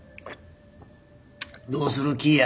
どうする気や。